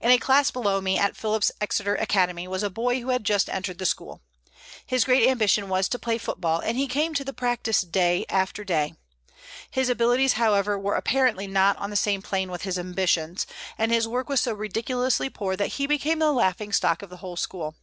In a class below me at Phillips Exeter Academy was a boy who had just entered the school. His great ambition was to play football, and he came to the practise day after day. His abilities, however, were apparently not on the same plane with his ambitions, and his work was so ridiculously poor that he became the laughing stock of the whole school.